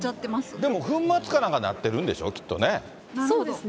でも粉末かなんかなってるんでしょう、きっとね。